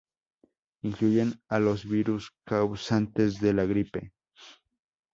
Incluyen a los virus causantes de la gripe.